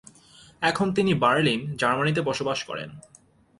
এখন তিনি বার্লিন, জার্মানিতে বসবাস করেন।